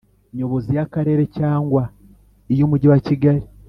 Nyobozi y Akarere cyangwa iy Umujyi wa kigali